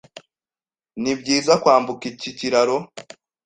Ni byiza kwambuka iki kiraro?